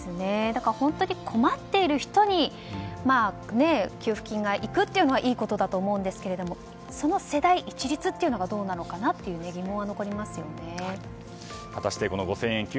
だから本当に困っている人に給付金がいくというのはいいことだと思いますがその世代一律というのがどうなのかなという疑問は果たして５０００円